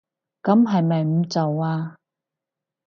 噉係咪唔做吖